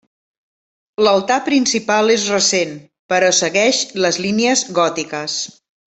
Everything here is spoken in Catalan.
L'altar principal és recent, però segueix les línies gòtiques.